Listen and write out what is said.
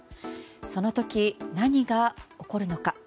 その時、何が起こるのか。